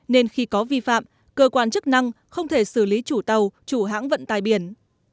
nên khi có vi phạm cơ quan chức năng không thể xử lý chủ tàu chủ hãng vận tài biển